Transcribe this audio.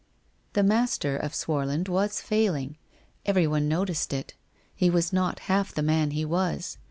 The master of Swarland was failing. Everyone noticed it. He was not half the man he was.